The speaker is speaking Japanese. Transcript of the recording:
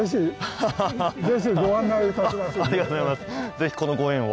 是非このご縁を。